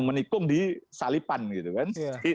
menikung di salipan gitu kan